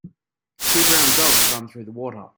Two brown dogs runs through the water.